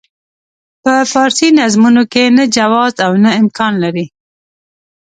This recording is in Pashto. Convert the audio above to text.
په فارسي نظمونو کې نه جواز او نه امکان لري.